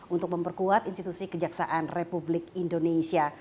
untuk memperkuat institusi kejaksaan republik indonesia